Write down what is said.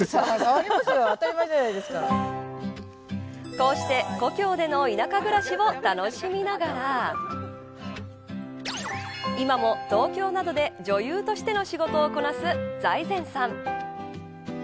こうして故郷での田舎暮らしを楽しみながら今も東京などで女優としての仕事をこなす財前さん。